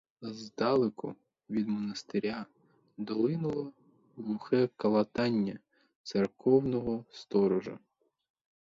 Здалеку, від монастиря, долинуло глухе калатання церковного сторожа.